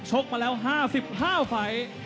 กมาแล้ว๕๕ไฟล์